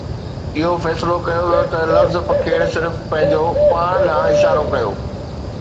اهو فيصلو ڪيو ويو ته لفظ پکيڙ صرف پنهنجو پاڻ ڏانهن اشارو ڪيو